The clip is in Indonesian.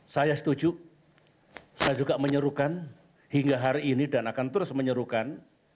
saya setuju saya juga menyerukan hingga hari ini dan akan terus menyerukan